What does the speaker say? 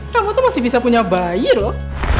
kamu tuh masih bisa punya bayi loh